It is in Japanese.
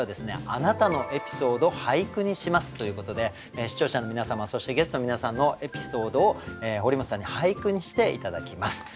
「あなたのエピソード、俳句にします」ということで視聴者の皆様そしてゲストの皆さんのエピソードを堀本さんに俳句にして頂きます。